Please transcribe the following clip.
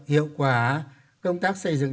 hiệu quả công tác xây dựng